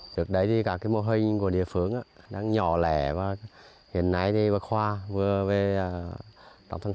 trước đấy thì cả cái mô hình của địa phương đang nhỏ lẻ và hiện nay thì bắc khoa vừa về trong tháng sáu